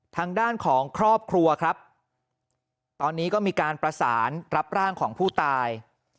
ทางด้านของครอบครัวครับตอนนี้ก็มีการประสานรับร่างของผู้ตาย